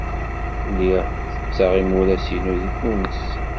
Lliɣ ttekkeɣ imuras-inu deg Tunes.